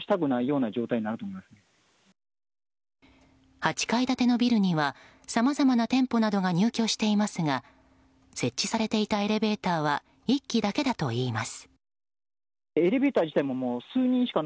８階建てのビルにはさまざまな店舗などが入居していますが設置されていたエレベーターは１基だけだといいます。